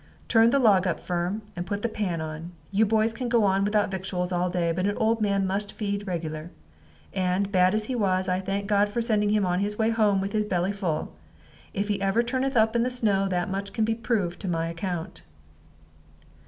"Turn the log up, Firm, and put the pan on. You boys can go on without victuals all day, but an old man must feed regular. And, bad as he was, I thank God for sending him on his way home with his belly full. If ever he turneth up in the snow, that much can be proved to my account."